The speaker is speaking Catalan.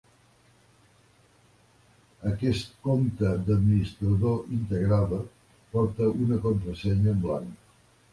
Aquest compte d'administrador integrada porta una contrasenya en blanc.